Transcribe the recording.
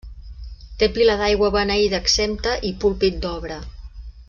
Té pila d'aigua beneïda exempta i púlpit d'obra.